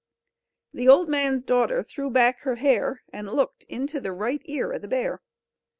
The old man's daughter threw back her hair, and looked into the right ear of the bear.